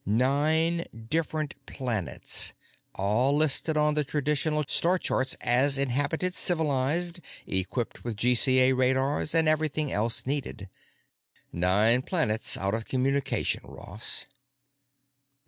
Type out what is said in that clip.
Nine different planets, all listed on the traditional star charts as inhabited, civilized, equipped with GCA radars, and everything else needed. Nine planets out of communication, Ross."